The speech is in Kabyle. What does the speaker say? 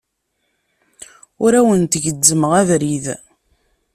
Ur awent-gezzmeɣ abrid.